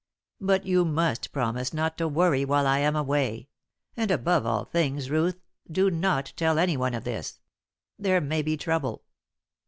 But you must promise not to worry while I am away; and above all things, Ruth, do not tell anyone of this. There may be trouble."